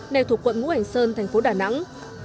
nè thuộc quận ngũ hành sơn thành phố đà nẵng